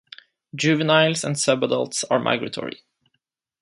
Juveniles and sub adults are migratory.